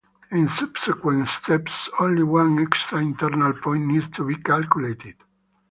In subsequent steps, only one extra internal point needs to be calculated.